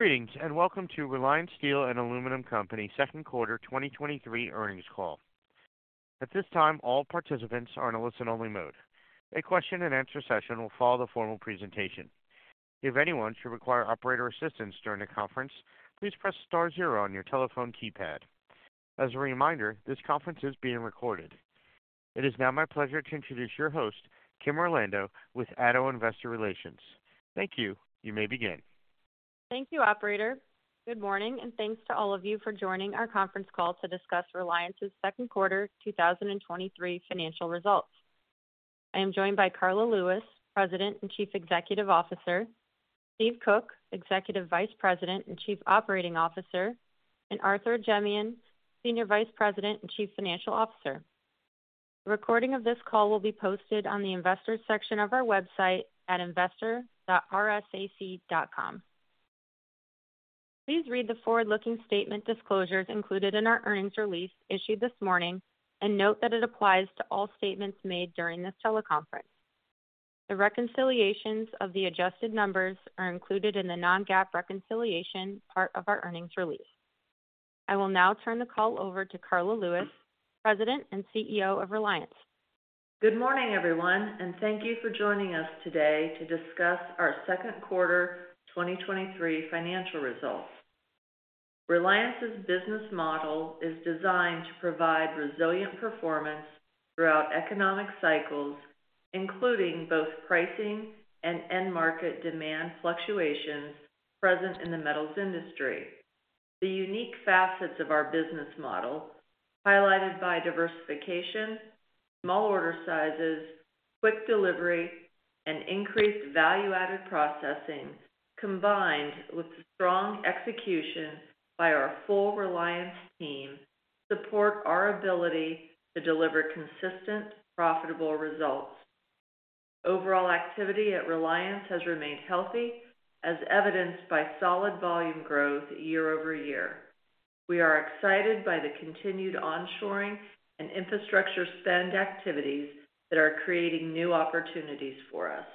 Greetings, and welcome to Reliance Steel & Aluminum Co. second quarter 2023 earnings call. At this time, all participants are in a listen-only mode. A question-and-answer session will follow the formal presentation. If anyone should require operator assistance during the conference, please press star zero on your telephone keypad. As a reminder, this conference is being recorded. It is now my pleasure to introduce your host, Kim Orlando, with ADDO Investor Relations. Thank you. You may begin. Thank you, operator. Good morning, thanks to all of you for joining our conference call to discuss Reliance's second quarter 2023 financial results. I am joined by Karla Lewis, President and Chief Executive Officer, Steve Koch, Executive Vice President and Chief Operating Officer, and Arthur Ajemyan, Senior Vice President and Chief Financial Officer. A recording of this call will be posted on the investors section of our website at investor.rsac.com. Please read the forward-looking statement disclosures included in our earnings release issued this morning, and note that it applies to all statements made during this teleconference. The reconciliations of the adjusted numbers are included in the non-GAAP reconciliation part of our earnings release. I will now turn the call over to Karla Lewis, President and CEO of Reliance. Good morning, everyone, thank you for joining us today to discuss our second quarter 2023 financial results. Reliance's business model is designed to provide resilient performance throughout economic cycles, including both pricing and end market demand fluctuations present in the metals industry. The unique facets of our business model, highlighted by diversification, small order sizes, quick delivery, and increased value-added processing, combined with strong execution by our full Reliance team, support our ability to deliver consistent, profitable results. Overall activity at Reliance has remained healthy, as evidenced by solid volume growth year-over-year. We are excited by the continued onshoring and infrastructure spend activities that are creating new opportunities for us.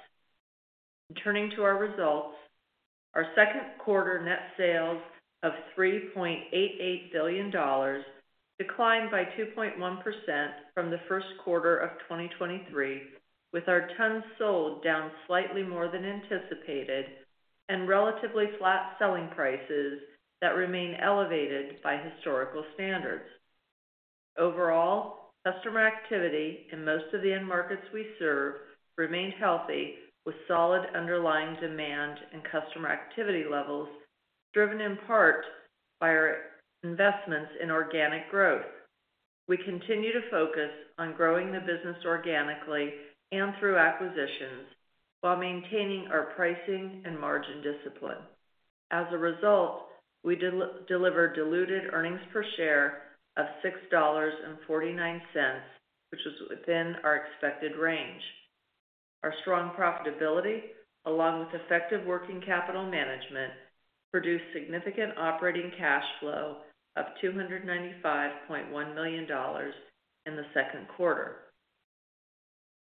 Turning to our results, our second quarter net sales of $3.88 billion declined by 2.1% from the first quarter of 2023, with our tons sold down slightly more than anticipated and relatively flat selling prices that remain elevated by historical standards. Customer activity in most of the end markets we serve remained healthy, with solid underlying demand and customer activity levels, driven in part by our investments in organic growth. We continue to focus on growing the business organically and through acquisitions while maintaining our pricing and margin discipline. We deliver diluted earnings per share of $6.49, which is within our expected range. Our strong profitability, along with effective working capital management, produced significant operating cash flow of $295.1 million in the second quarter.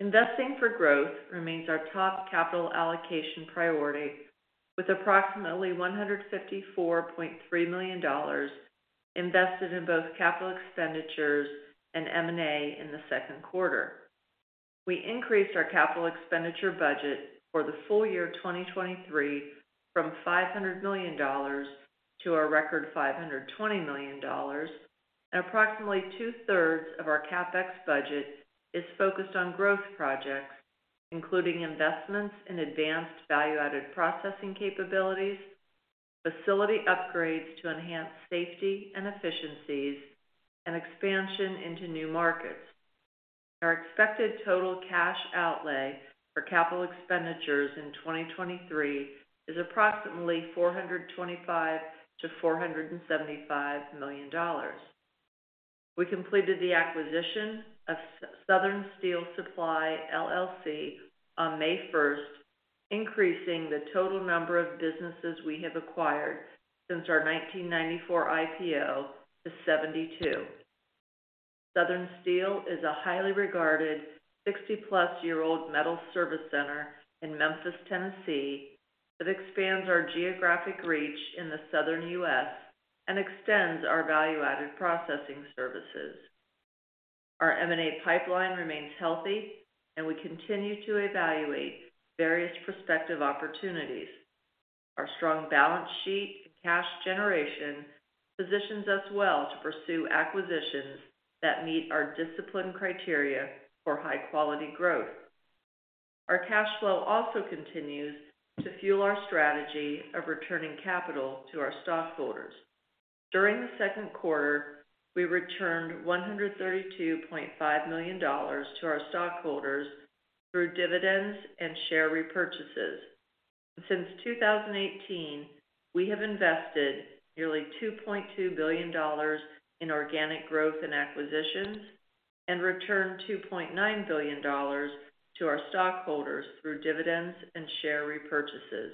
Investing for growth remains our top capital allocation priority, with approximately $154.3 million invested in both capital expenditures and M&A in the second quarter. We increased our capital expenditure budget for the full year 2023 from $500 million to a record $520 million. Approximately two-thirds of our CapEx budget is focused on growth projects, including investments in advanced value-added processing capabilities, facility upgrades to enhance safety and efficiencies, and expansion into new markets. Our expected total cash outlay for capital expenditures in 2023 is approximately $425 million-$475 million. We completed the acquisition of Southern Steel Supply, LLC, on May 1st, increasing the total number of businesses we have acquired since our 1994 IPO to 72. Southern Steel is a highly regarded, 60+ year-old metal service center in Memphis, Tennessee, that expands our geographic reach in the southern U.S. and extends our value-added processing services. Our M&A pipeline remains healthy. We continue to evaluate various prospective opportunities. Our strong balance sheet and cash generation positions us well to pursue acquisitions that meet our discipline criteria for high-quality growth. Our cash flow also continues to fuel our strategy of returning capital to our stockholders. During the second quarter, we returned $132.5 million to our stockholders through dividends and share repurchases. Since 2018, we have invested nearly $2.2 billion in organic growth and acquisitions and returned $2.9 billion to our stockholders through dividends and share repurchases.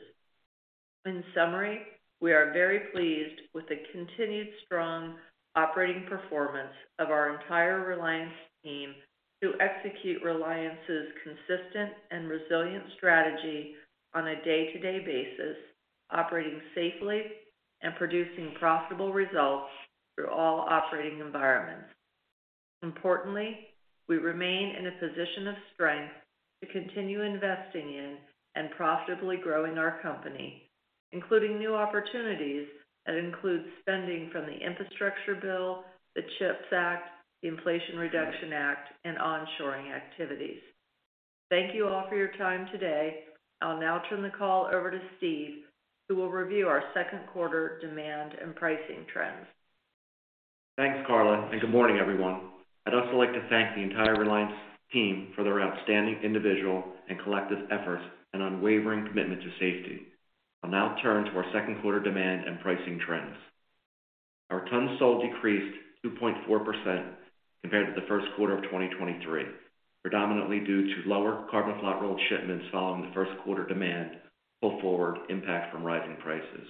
In summary, we are very pleased with the continued strong operating performance of our entire Reliance team to execute Reliance's consistent and resilient strategy on a day-to-day basis, operating safely and producing profitable results through all operating environments. We remain in a position of strength to continue investing in and profitably growing our company, including new opportunities that include spending from the Infrastructure Bill, the CHIPS Act, the Inflation Reduction Act, and onshoring activities. Thank you all for your time today. I'll now turn the call over to Steve, who will review our second quarter demand and pricing trends. Thanks, Karla. Good morning, everyone. I'd also like to thank the entire Reliance team for their outstanding individual and collective efforts and unwavering commitment to safety. I'll now turn to our second quarter demand and pricing trends. Our tons sold decreased 2.4% compared to the first quarter of 2023, predominantly due to lower carbon flat-rolled shipments following the first quarter demand pull-forward impact from rising prices.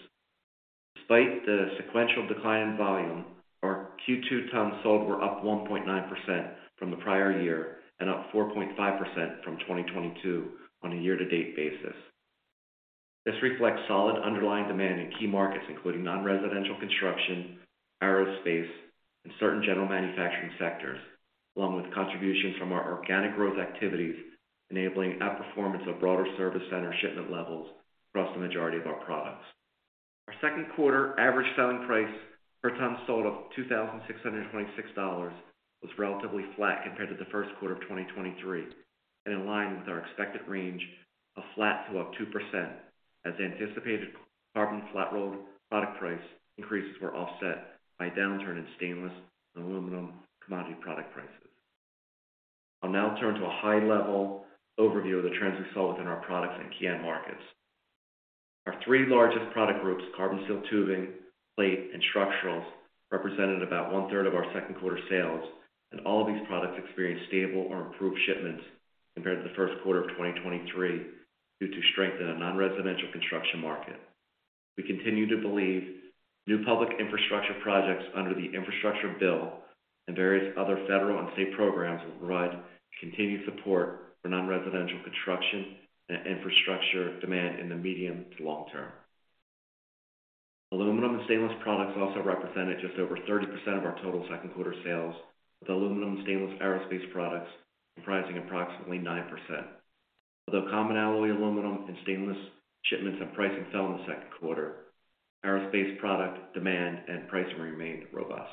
Despite the sequential decline in volume, our Q2 tons sold were up 1.9% from the prior year and up 4.5% from 2022 on a year-to-date basis. This reflects solid underlying demand in key markets, including non-residential construction, aerospace, and certain general manufacturing sectors, along with contributions from our organic growth activities, enabling outperformance of broader service center shipment levels across the majority of our products. Our second quarter average selling price per ton sold of $2,626 was relatively flat compared to the first quarter of 2023 and in line with our expected range of flat to up 2%, as anticipated carbon flat-rolled product price increases were offset by a downturn in stainless and aluminum commodity product prices. I'll now turn to a high-level overview of the trends we saw within our products and key end markets. Our three largest product groups, carbon steel tubing, plate, and structurals, represented about one-third of our second quarter sales, and all of these products experienced stable or improved shipments compared to the first quarter of 2023 due to strength in the non-residential construction market. We continue to believe new public infrastructure projects under the Infrastructure Bill and various other federal and state programs will provide continued support for non-residential construction and infrastructure demand in the medium to long term. Aluminum and stainless products also represented just over 30% of our total second quarter sales, with aluminum and stainless aerospace products comprising approximately 9%. Although common alloy, aluminum, and stainless shipments and pricing fell in the second quarter, aerospace product demand and pricing remained robust.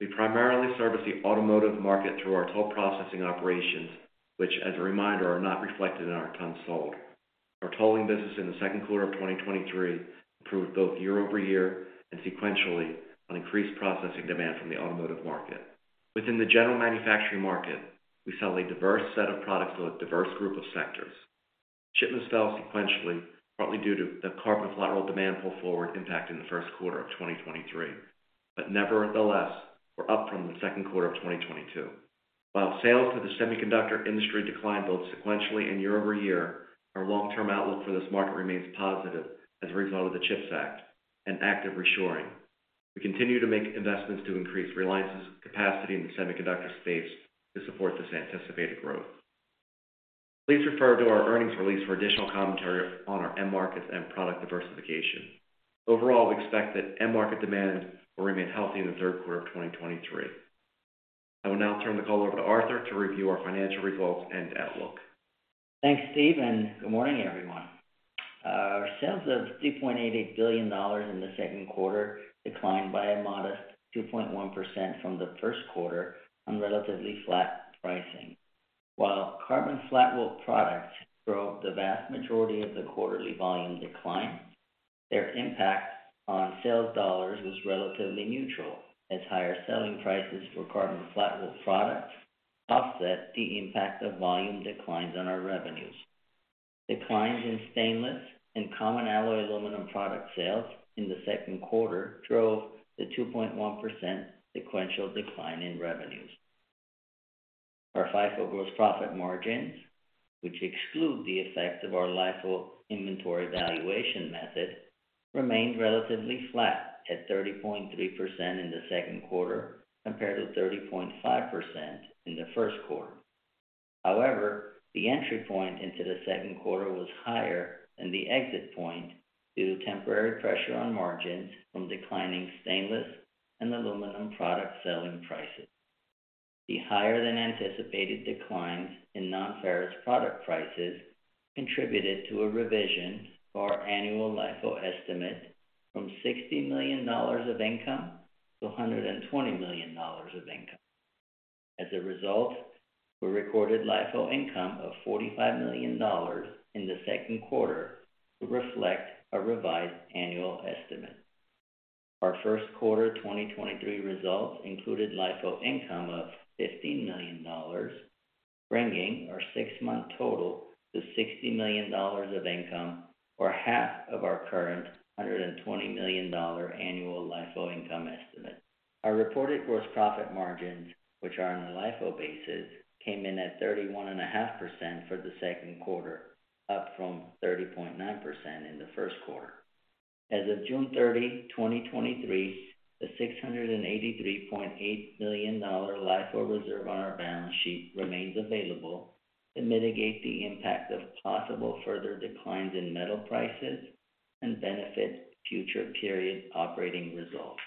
We primarily service the automotive market through our toll processing operations, which, as a reminder, are not reflected in our tons sold. Our tolling business in the second quarter of 2023 improved both year-over-year and sequentially on increased processing demand from the automotive market. Within the general manufacturing market, we sell a diverse set of products to a diverse group of sectors. Shipments fell sequentially, partly due to the carbon flat-rolled demand pull-forward impact in the first quarter of 2023, but nevertheless, were up from the second quarter of 2022. While sales to the semiconductor industry declined both sequentially and year-over-year, our long-term outlook for this market remains positive as a result of the CHIPS Act and active reshoring. We continue to make investments to increase Reliance's capacity in the semiconductor space to support this anticipated growth. Please refer to our earnings release for additional commentary on our end markets and product diversification. Overall, we expect that end market demand will remain healthy in the third quarter of 2023. I will now turn the call over to Arthur to review our financial results and outlook. Thanks, Steve, and good morning, everyone. Our sales of $3.88 billion in the second quarter declined by a modest 2.1% from the first quarter on relatively flat pricing. While carbon flat-rolled products drove the vast majority of the quarterly volume decline, their impact on sales dollars was relatively neutral, as higher selling prices for carbon flat-rolled products offset the impact of volume declines on our revenues. Declines in stainless and common alloy aluminum product sales in the second quarter drove the 2.1% sequential decline in revenues. Our FIFO gross profit margins, which exclude the effect of our LIFO inventory valuation method, remained relatively flat at 30.3% in the second quarter, compared to 30.5% in the first quarter. The entry point into the second quarter was higher than the exit point due to temporary pressure on margins from declining stainless and aluminum product selling prices. The higher-than-anticipated declines in nonferrous product prices contributed to a revision to our annual LIFO estimate from $60 million of income to $120 million of income. As a result, we recorded LIFO income of $45 million in the second quarter to reflect our revised annual estimate. Our first quarter 2023 results included LIFO income of $50 million, bringing our six-month total to $60 million of income, or half of our current $120 million annual LIFO income estimate. Our reported gross profit margins, which are on a LIFO basis, came in at 31.5% for the second quarter, up from 30.9% in the first quarter. As of June 30, 2023, the $683.8 million LIFO reserve on our balance sheet remains available to mitigate the impact of possible further declines in metal prices and benefit future period operating results.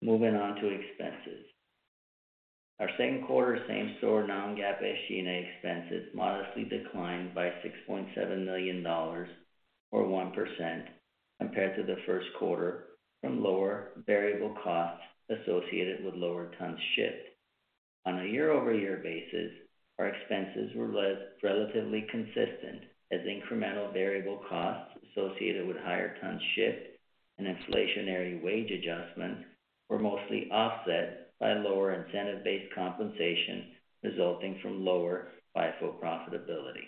Moving on to expenses. Our second quarter same-store non-GAAP SG&A expenses modestly declined by $6.7 million, or 1%, compared to the first quarter from lower variable costs associated with lower tons shipped. On a year-over-year basis, our expenses were less relatively consistent, as incremental variable costs associated with higher tons shipped and inflationary wage adjustments were mostly offset by lower incentive-based compensation, resulting from lower FIFO profitability.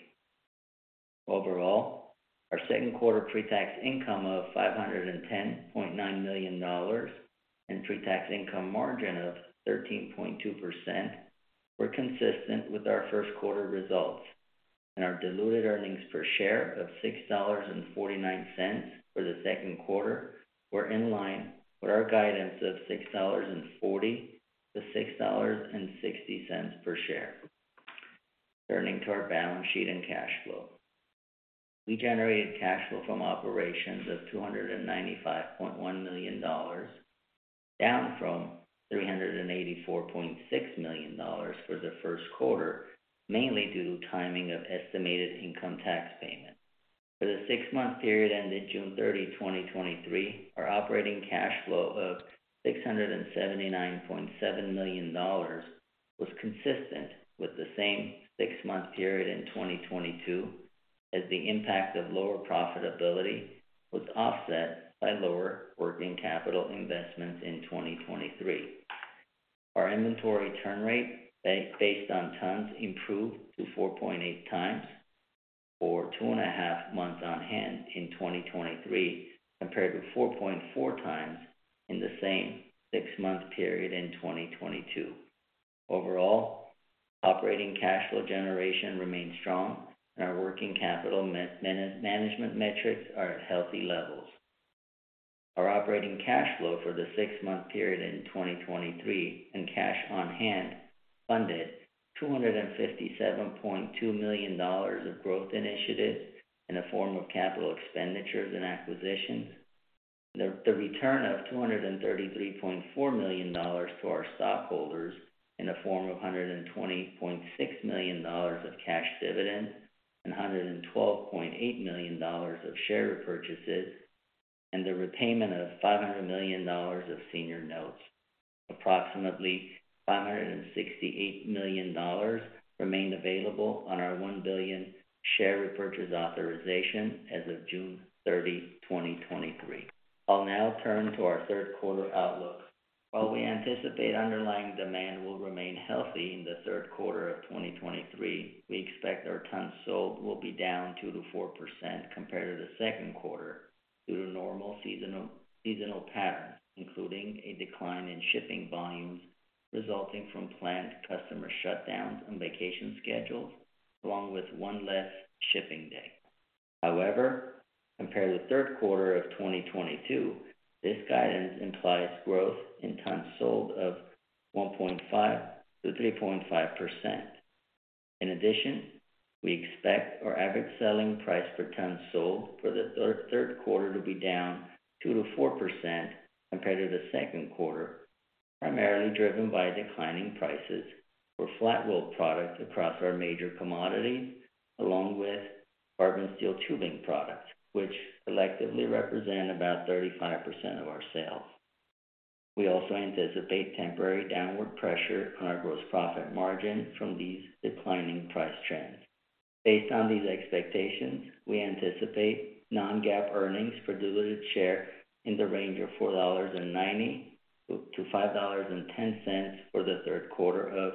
Overall, our second quarter pre-tax income of $510.9 million and pre-tax income margin of 13.2%, were consistent with our first quarter results, and our diluted earnings per share of $6.49 for the second quarter were in line with our guidance of $6.40-$6.60 per share. Turning to our balance sheet and cash flow. We generated cash flow from operations of $295.1 million, down from $384.6 million for the first quarter, mainly due to timing of estimated income tax payments. For the six-month period ended June 30, 2023, our operating cash flow of $679.7 million was consistent with the same six-month period in 2022, as the impact of lower profitability was offset by lower working capital investments in 2023. Our inventory turn rate, based on tons, improved to 4.8x, or 2.5 months on hand in 2023, compared with 4.4x in the same six-month period in 2022. Overall, operating cash flow generation remains strong, and our working capital management metrics are at healthy levels. Our operating cash flow for the six-month period in 2023 and cash on hand funded $257.2 million of growth initiatives in the form of CapEx and acquisitions. The return of $233.4 million to our stockholders in the form of $120.6 million of cash dividends and $112.8 million of share repurchases, and the repayment of $500 million of senior notes. Approximately $568 million remained available on our $1 billion share repurchase authorization as of June 30, 2023. I'll now turn to our third quarter outlook. While we anticipate underlying demand will remain healthy in the third quarter of 2023, we expect our tons sold will be down 2%-4% compared to the second quarter due to normal seasonal patterns, including a decline in shipping volumes resulting from planned customer shutdowns and vacation schedules, along with one less shipping day. Compared to the third quarter of 2022, this guidance implies growth in tons sold of 1.5%-3.5%. We expect our average selling price per ton sold for the third quarter to be down 2%-4% compared to the second quarter, primarily driven by declining prices for flat-rolled products across our major commodity, along with carbon steel tubing products, which collectively represent about 35% of our sales. We also anticipate temporary downward pressure on our gross profit margin from these declining price trends. Based on these expectations, we anticipate non-GAAP earnings per diluted share in the range of $4.90-$5.10 for the third quarter of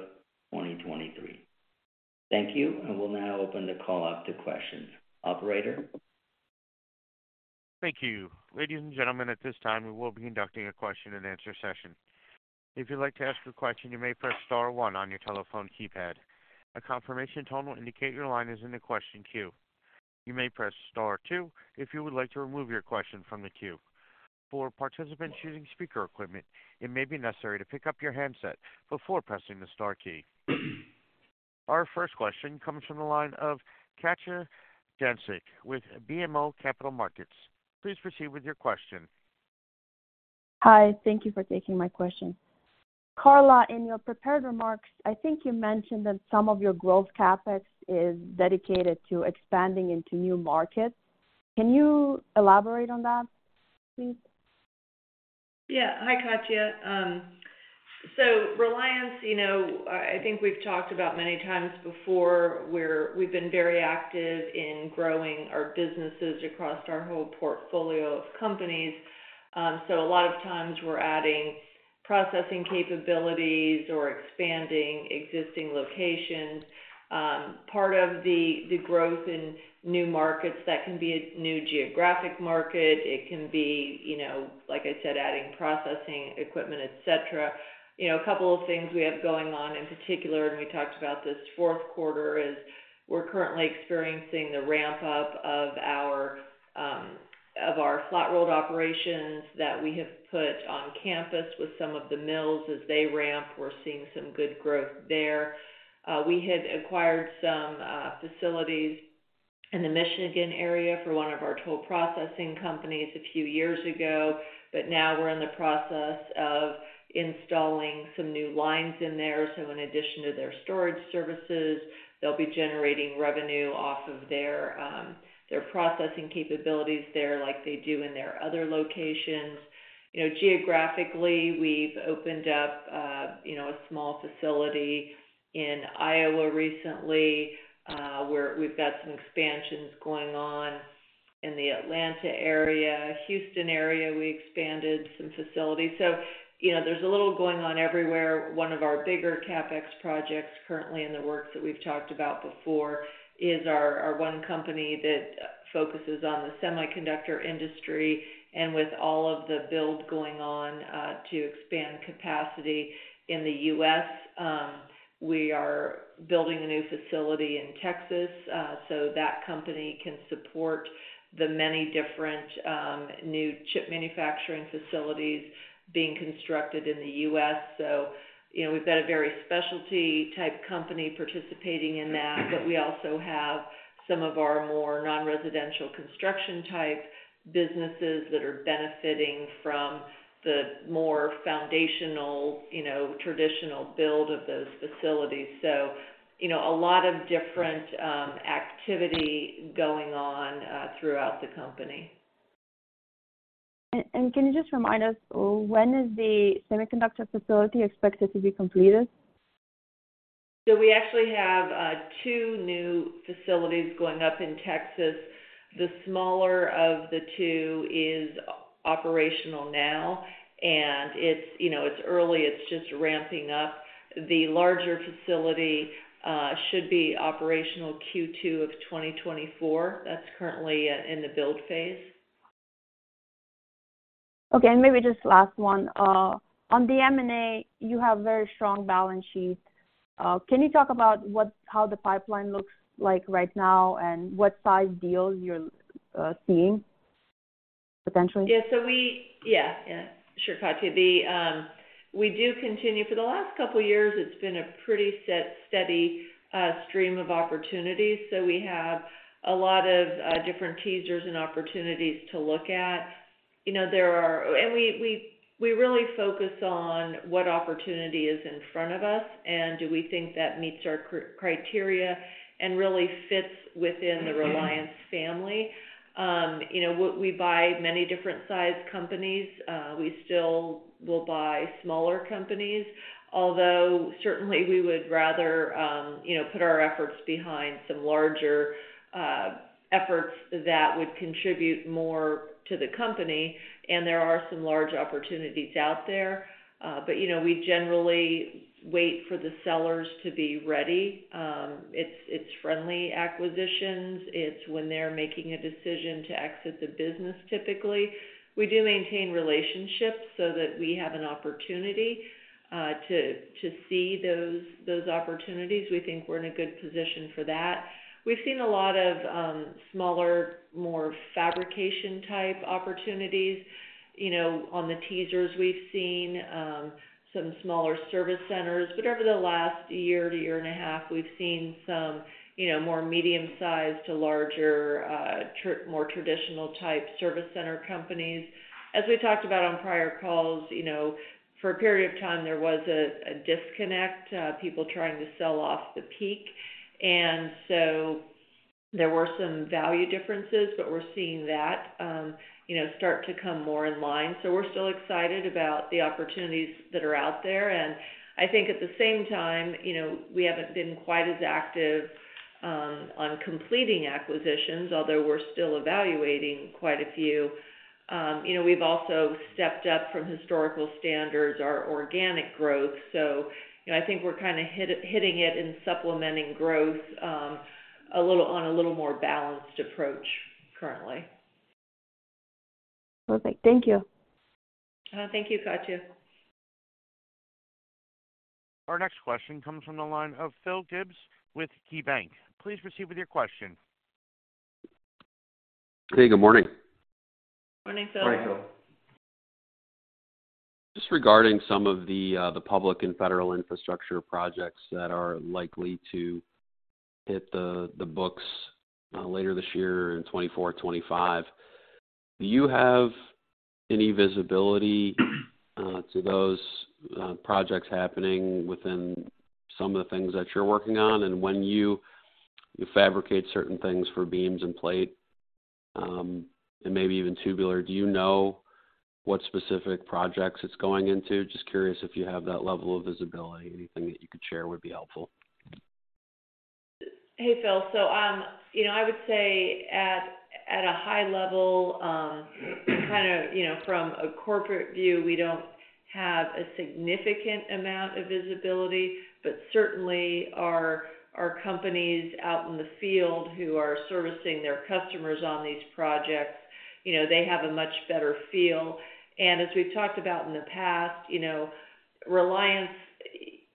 2023. Thank you. We'll now open the call up to questions. Operator? Thank you. Ladies and gentlemen, at this time, we will be conducting a question-and-answer session. If you'd like to ask a question, you may press star one on your telephone keypad. A confirmation tone will indicate your line is in the question queue. You may press star two if you would like to remove your question from the queue. For participants using speaker equipment, it may be necessary to pick up your handset before pressing the star key. Our first question comes from the line of Katja Jancic with BMO Capital Markets. Please proceed with your question. Hi, thank you for taking my question. Karla, in your prepared remarks, I think you mentioned that some of your growth CapEx is dedicated to expanding into new markets. Can you elaborate on that, please? Yeah. Hi, Katja. Reliance, you know, I, I think we've talked about many times before, where we've been very active in growing our businesses across our whole portfolio of companies. A lot of times we're adding processing capabilities or expanding existing locations. Part of the, the growth in new markets, that can be a new geographic market. It can be, you know, like I said, adding processing, equipment, et cetera. You know, a couple of things we have going on in particular, and we talked about this fourth quarter, is we're currently experiencing the ramp-up of our flat-roll operations that we have put on campus with some of the mills. As they ramp, we're seeing some good growth there. We had acquired. facilities in the Michigan area for one of our toll processing companies a few years ago. Now we're in the process of installing some new lines in there. In addition to their storage services, they'll be generating revenue off of their processing capabilities there, like they do in their other locations. You know, geographically, we've opened up, you know, a small facility in Iowa recently, where we've got some expansions going on in the Atlanta area. Houston area, we expanded some facilities. You know, there's a little going on everywhere. One of our bigger CapEx projects currently in the works that we've talked about before, is our one company that focuses on the semiconductor industry. With all of the build going on, to expand capacity in the U.S., we are building a new facility in Texas, so that company can support the many different new chip manufacturing facilities being constructed in the U.S. You know, we've got a very specialty-type company participating in that, but we also have some of our more non-residential construction-type businesses that are benefiting from the more foundational, you know, traditional build of those facilities. You know, a lot of different activity going on throughout the company. Can you just remind us, when is the semiconductor facility expected to be completed? We actually have two new facilities going up in Texas. The smaller of the two is operational now, and it's, you know, it's early, it's just ramping up. The larger facility should be operational Q2 of 2024. That's currently in the build phase. Okay, maybe just last one. On the M&A, you have very strong balance sheet. Can you talk about how the pipeline looks like right now and what size deals you're seeing potentially? Yeah, yeah, sure, Katja. We do continue. For the last couple of years, it's been a pretty set, steady stream of opportunities. We have a lot of different teasers and opportunities to look at. You know, there are, and we really focus on what opportunity is in front of us and do we think that meets our criteria and really fits within the Reliance family. You know, we buy many different size companies. We still will buy smaller companies, although certainly we would rather, you know, put our efforts behind some larger efforts that would contribute more to the company, and there are some large opportunities out there. You know, we generally wait for the sellers to be ready. It's friendly acquisitions. It's when they're making a decision to exit the business, typically. We do maintain relationships so that we have an opportunity to see those opportunities. We think we're in a good position for that. We've seen a lot of smaller, more fabrication-type opportunities. You know, on the teasers we've seen some smaller service centers, but over the last year to year and a half, we've seen some, you know, more medium-sized to larger, more traditional-type service center companies. As we talked about on prior calls, you know, for a period of time, there was a disconnect, people trying to sell off the peak, and so there were some value differences, but we're seeing that, you know, start to come more in line. We're still excited about the opportunities that are out there. I think at the same time, you know, we haven't been quite as active on completing acquisitions, although we're still evaluating quite a few. You know, we've also stepped up from historical standards, our organic growth. You know, I think we're kind of hitting it in supplementing growth a little, on a little more balanced approach currently. Perfect. Thank you. Thank you, Katja. Our next question comes from the line of Phil Gibbs with KeyBanc. Please proceed with your question. Hey, good morning. Morning, Phil. Morning, Phil. Just regarding some of the public and federal infrastructure projects that are likely to hit the books later this year in 2024, 2025, do you have any visibility to those projects happening within some of the things that you're working on? When you fabricate certain things for beams and plate, and maybe even tubular, do you know what specific projects it's going into? Just curious if you have that level of visibility. Anything that you could share would be helpful. Hey, Phil. You know, I would say at a high level, kind of, you know, from a corporate view, we don't have a significant amount of visibility, but certainly our companies out in the field who are servicing their customers on these projects, you know, they have a much better feel. As we've talked about in the past, you know, Reliance,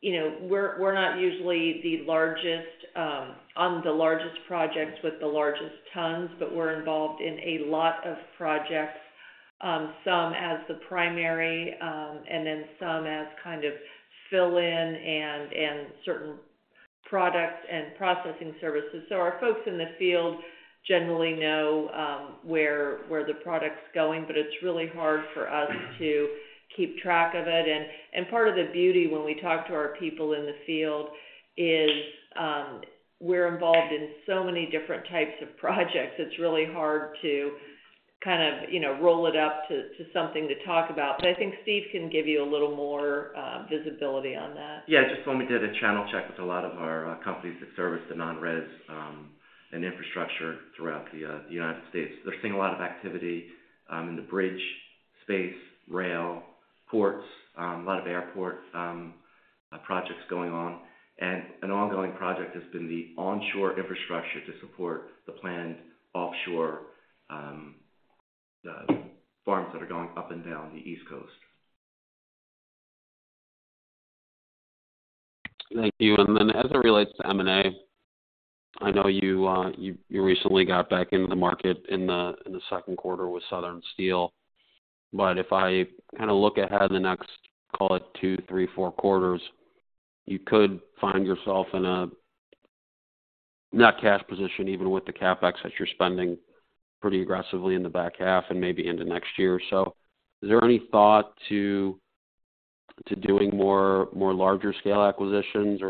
you know, we're not usually the largest, on the largest projects with the largest tons, but we're involved in a lot of projects, some as the primary, and then some as kind of fill in and certain products and processing services. Our folks in the field generally know, where the product's going, but it's really hard for us to keep track of it. Part of the beauty when we talk to our people in the field is, we're involved in so many different types of projects. It's really hard to kind of, you know, roll it up to something to talk about. I think Steve can give you a little more visibility on that. Just when we did a channel check with a lot of our companies that service the non-res and infrastructure throughout the United States. They're seeing a lot of activity in the bridge, space, rail, ports, a lot of airport projects going on. An ongoing project has been the onshore infrastructure to support the planned offshore farms that are going up and down the East Coast. Thank you. As it relates to M&A, I know you recently got back into the market in the second quarter with Southern Steel. If I kind of look ahead in the next, call it 2, 3, 4 quarters, you could find yourself in a net cash position, even with the CapEx that you're spending pretty aggressively in the back half and maybe into next year. Is there any thought to doing more larger scale acquisitions,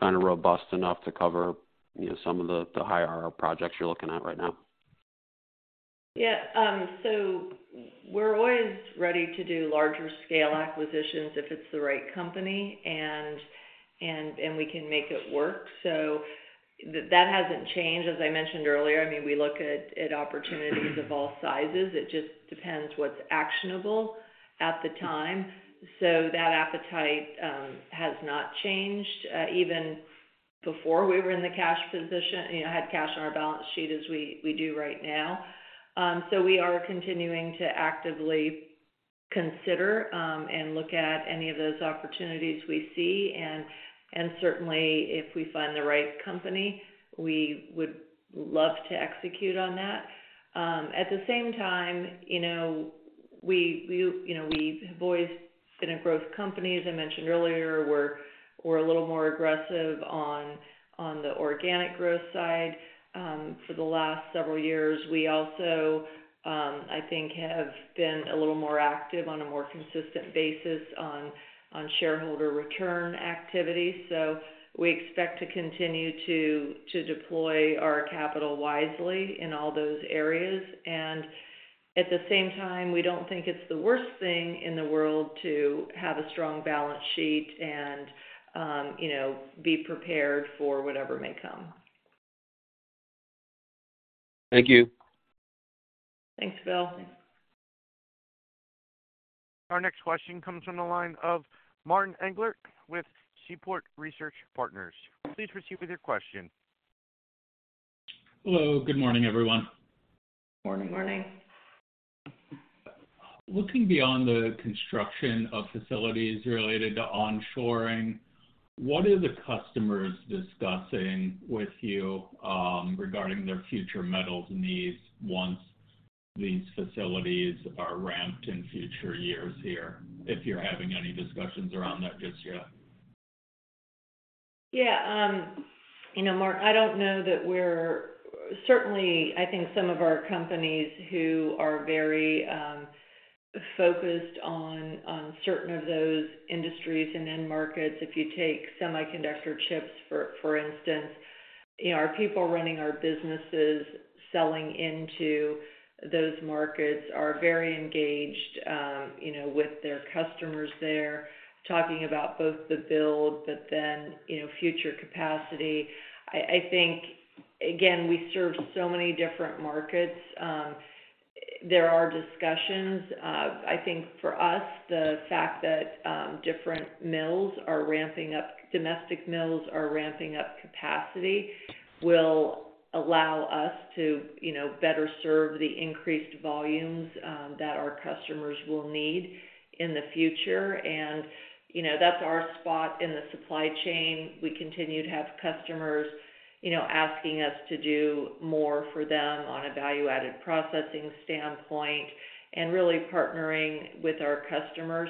or do you feel like your internal pipeline is kind of robust enough to cover, you know, some of the higher projects you're looking at right now? Yeah, we're always ready to do larger scale acquisitions if it's the right company and we can make it work. That hasn't changed. As I mentioned earlier, I mean, we look at opportunities of all sizes. It just depends what's actionable at the time. That appetite has not changed. Even before we were in the cash position, you know, had cash on our balance sheet as we do right now. We are continuing to actively consider and look at any of those opportunities we see. Certainly, if we find the right company, we would love to execute on that. At the same time, you know, we, you know, we've always been a growth company. As I mentioned earlier, we're a little more aggressive on the organic growth side. For the last several years, we also, I think have been a little more active on a more consistent basis on shareholder return activity. We expect to continue to deploy our capital wisely in all those areas. At the same time, we don't think it's the worst thing in the world to have a strong balance sheet and, you know, be prepared for whatever may come. Thank you. Thanks, Phil. Our next question comes from the line of Martin Englert with Seaport Research Partners. Please proceed with your question. Hello, good morning, everyone. Morning. Morning. Looking beyond the construction of facilities related to onshoring, what are the customers discussing with you, regarding their future metals needs once these facilities are ramped in future years here, if you're having any discussions around that just yet? Yeah, you know, Martin, I don't know that. Certainly, I think some of our companies who are very focused on certain of those industries and end markets, if you take semiconductor chips, for instance, you know, our people running our businesses, selling into those markets are very engaged, you know, with their customers there, talking about both the build, but then, you know, future capacity. I think, again, we serve so many different markets. There are discussions. I think for us, the fact that different mills are ramping up, domestic mills are ramping up capacity, will allow us to, you know, better serve the increased volumes that our customers will need in the future. You know, that's our spot in the supply chain. We continue to have customers, you know, asking us to do more for them on a value-added processing standpoint and really partnering with our customers.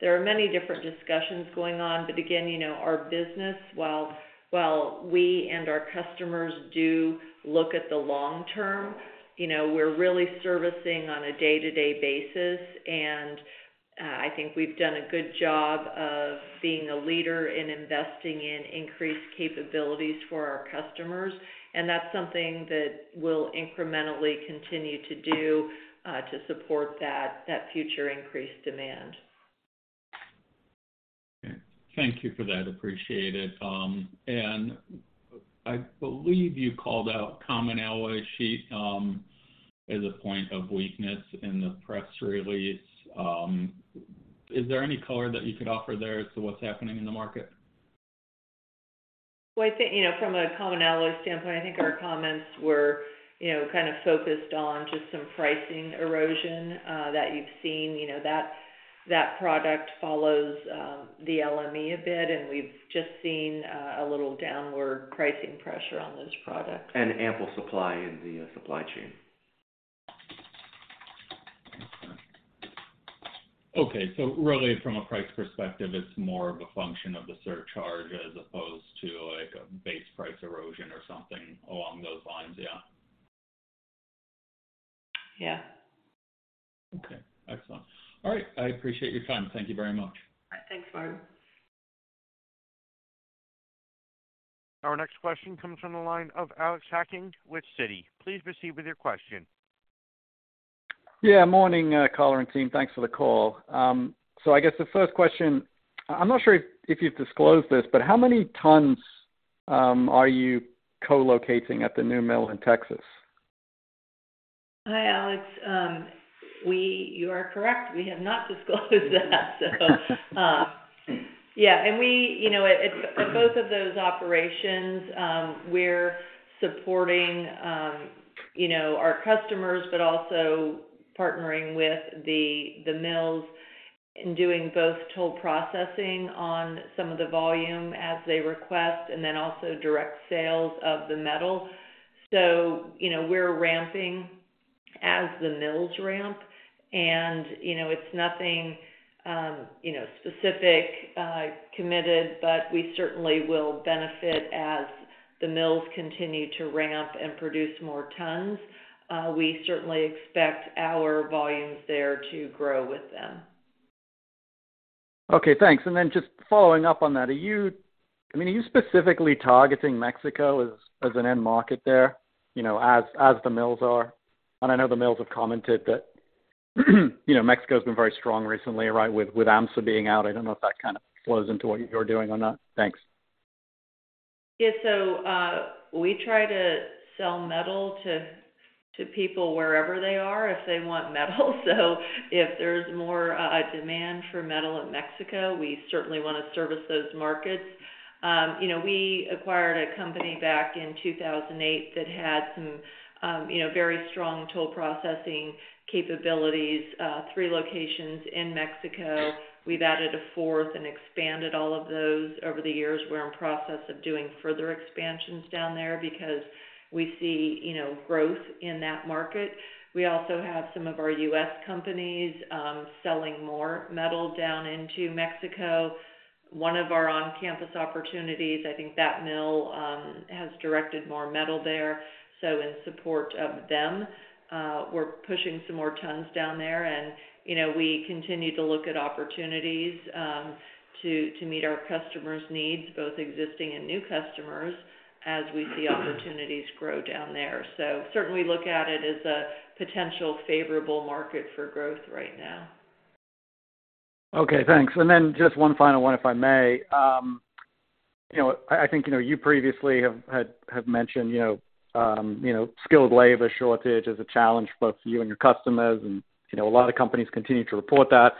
There are many different discussions going on. Again, you know, our business, while we and our customers do look at the long term, you know, we're really servicing on a day-to-day basis, and I think we've done a good job of being a leader in investing in increased capabilities for our customers, and that's something that we'll incrementally continue to do to support that future increased demand. Thank you for that. Appreciate it. I believe you called out Common alloy sheet as a point of weakness in the press release. Is there any color that you could offer there as to what's happening in the market? Well, I think, you know, from a common alloy standpoint, I think our comments were, you know, kind of focused on just some pricing erosion, that you've seen. You know, that, that product follows, the LME a bit, and we've just seen, a little downward pricing pressure on those products. Ample supply in the supply chain. Okay, really, from a price perspective, it's more of a function of the surcharge as opposed to, like, a base price erosion or something along those lines, yeah? Yeah. Okay, excellent. All right. I appreciate your time. Thank you very much. Thanks, Martin. Our next question comes from the line of Alex Hacking with Citi. Please proceed with your question. Yeah, morning, Karla and team. Thanks for the call. I guess the first question, I'm not sure if you've disclosed this, but how many tons are you co-locating at the new mill in Texas? Hi, Alex. You are correct. We have not disclosed that. Yeah, and we, you know, at both of those operations, we're supporting, you know, our customers, but also partnering with the mills and doing both toll processing on some of the volume as they request, and then also direct sales of the metal. You know, we're ramping as the mills ramp and, you know, it's nothing, you know, specific, committed, but we certainly will benefit as the mills continue to ramp and produce more tons. We certainly expect our volumes there to grow with them. Okay, thanks. Just following up on that, are you, I mean, are you specifically targeting Mexico as an end market there, you know, as the mills are? I know the mills have commented that, you know, Mexico's been very strong recently, right, with AHMSA being out. I don't know if that kind of flows into what you're doing or not. Thanks. We try to sell metal to people wherever they are, if they want metal. If there's more demand for metal in Mexico, we certainly want to service those markets. You know, we acquired a company back in 2008 that had some, you know, very strong toll processing capabilities, three locations in Mexico. We've added a fourth and expanded all of those over the years. We're in the process of doing further expansions down there because we see, you know, growth in that market. We also have some of our U.S. companies selling more metal down into Mexico. One of our on-campus opportunities, I think that mill has directed more metal there. In support of them, we're pushing some more tons down there. You know, we continue to look at opportunities, to meet our customers' needs, both existing and new customers, as we see opportunities grow down there. Certainly look at it as a potential favorable market for growth right now. Okay, thanks. Then just one final one, if I may. you know, I, I think, you know, you previously have mentioned, you know, you know, skilled labor shortage is a challenge for both you and your customers, and, you know, a lot of companies continue to report that.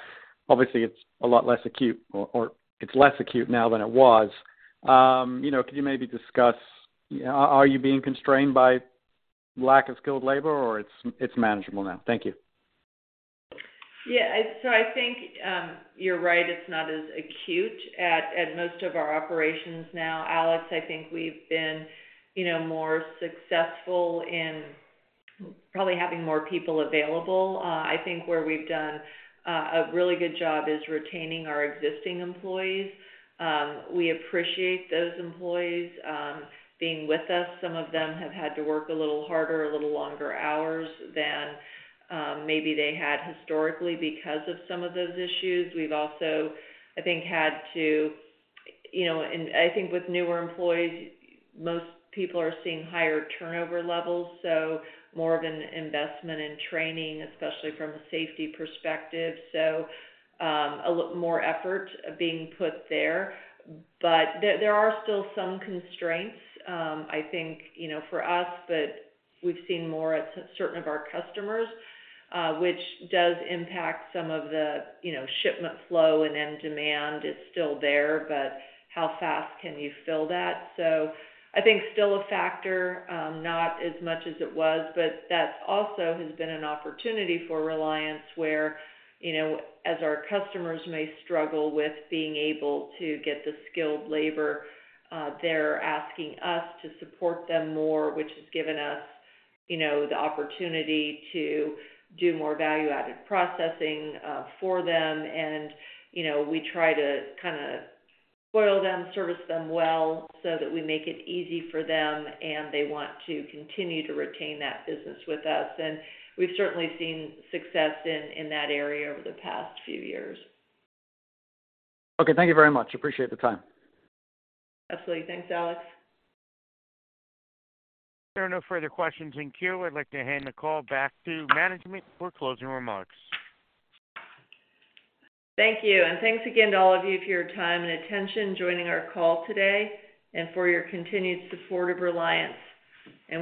Obviously, it's a lot less acute or it's less acute now than it was. you know, could you maybe discuss, are you being constrained by lack of skilled labor, or it's, it's manageable now? Thank you. Yeah, I think, you're right. It's not as acute at most of our operations now, Alex. I think we've been, you know, more successful in probably having more people available. I think where we've done a really good job is retaining our existing employees. We appreciate those employees being with us. Some of them have had to work a little harder, a little longer hours than maybe they had historically because of some of those issues. We've also, I think, had to, you know. I think with newer employees, most people are seeing higher turnover levels, so more of an investment in training, especially from a safety perspective. A lot more effort being put there. There, there are still some constraints, I think, you know, for us, but we've seen more at certain of our customers, which does impact some of the, you know, shipment flow and end demand is still there, but how fast can you fill that? I think still a factor, not as much as it was, but that also has been an opportunity for Reliance where, you know, as our customers may struggle with being able to get the skilled labor, they're asking us to support them more, which has given us, you know, the opportunity to do more value-added processing for them. You know, we try to kind of spoil them, service them well so that we make it easy for them, and they want to continue to retain that business with us. We've certainly seen success in, in that area over the past few years. Okay, thank you very much. Appreciate the time. Absolutely. Thanks, Alex. There are no further questions in queue. I'd like to hand the call back to management for closing remarks. Thank you. Thanks again to all of you for your time and attention in joining our call today and for your continued support of Reliance.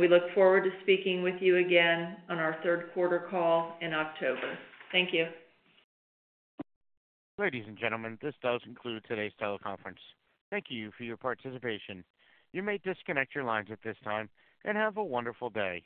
We look forward to speaking with you again on our third quarter call in October. Thank you. Ladies and gentlemen, this does conclude today's teleconference. Thank you for your participation. You may disconnect your lines at this time, and have a wonderful day.